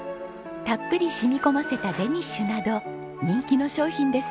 たっぷり染み込ませたデニッシュなど人気の商品です。